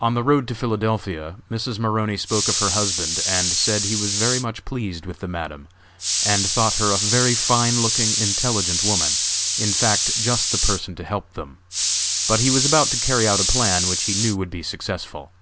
On the road to Philadelphia Mrs. Maroney spoke of her husband and said he was very much pleased with the Madam, and thought her a very fine looking, intelligent woman, in fact just the person to help them; but he was about to carry out a plan which he knew would be successful.